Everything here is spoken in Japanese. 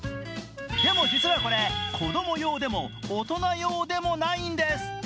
でも、実はこれ、子供用でも大人用でもないんです。